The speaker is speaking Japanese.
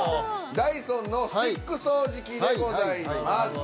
「ダイソン」のスティック掃除機でございます。